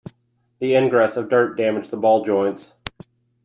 The ingress of dirt damaged the ball joints.